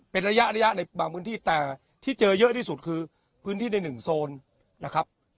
เป็นระยะระยะในบางพื้นที่แต่ที่เจอเยอะที่สุดคือพื้นที่ในหนึ่งโซนนะครับ